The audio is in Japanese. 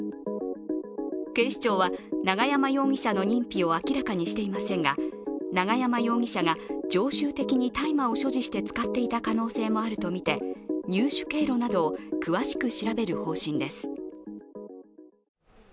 警視庁は永山容疑者の認否を明らかにしていませんが、永山容疑者が常習的に大麻を所持して使っていた可能性もあるとみて入手経路などを、詳しく調べる方針です。